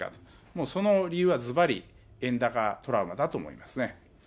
もうその理由はずばり円高トラウマだと思いますね。